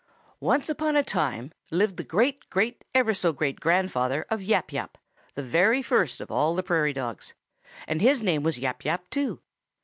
"Once upon a time lived the great great ever so great grandfather of Yap Yap, the very first of all the Prairie Dogs, and his name was Yap Yap too.